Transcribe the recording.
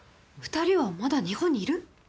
２人はまだ日本にいる！？